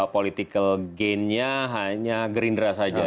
political gain nya hanya gerindra saja